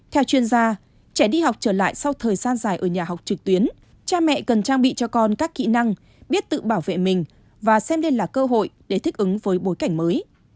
theo chuyên gia trẻ đi học trở lại sau thời gian dài ở nhà học trực tuyến cha mẹ cần trang bị cho con các kỹ năng biết tự bảo vệ mình và xem đây là cơ hội để thích ứng với bối cảnh mới